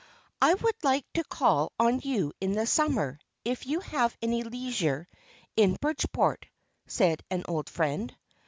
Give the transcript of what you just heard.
"I would like to call on you in the summer, if you have any leisure, in Bridgeport," said an old friend.